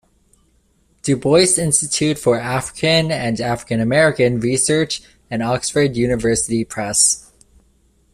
Du Bois Institute for African and African American Research and Oxford University Press.